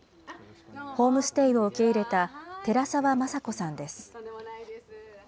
ホームステイを受け入れた寺沢雅子さんです。